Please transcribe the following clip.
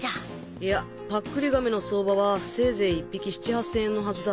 いやパックリ亀の相場はせいぜい１匹７０００８０００円のはずだ。